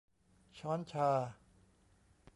ช้อนชา